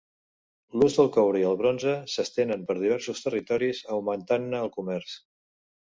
L'ús del coure i el bronze s'estenen per diversos territoris, augmentant-ne el comerç.